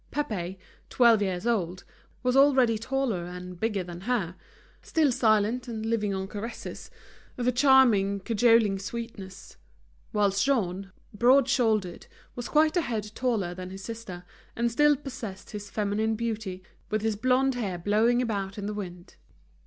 Pépé, twelve years old, was already taller and bigger than her, still silent and living on caresses, of a charming, cajoling sweetness; whilst Jean, broad shouldered, was quite a head taller than his sister, and still possessed his feminine beauty, with his blonde hair blowing about in the wind.